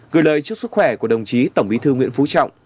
gửi lời chúc sức khỏe của đồng chí tổng bí thư nguyễn phú trọng